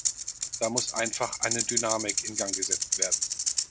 Da muss einfach eine Dynamik in Gang gesetzt werden.